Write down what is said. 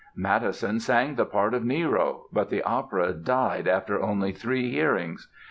Mattheson sang the part of Nero; but the opera died after only three hearings.